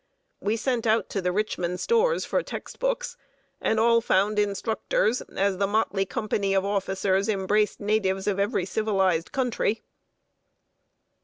We sent out to the Richmond stores for text books, and all found instructors, as the motley company of officers embraced natives of every civilized country.